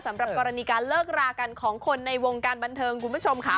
สำหรับกรณีการเลิกรากันของคนในวงการบันเทิงคุณผู้ชมค่ะ